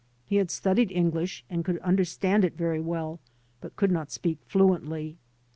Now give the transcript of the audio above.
He had studied English and could understand it very well but could not speak fluently.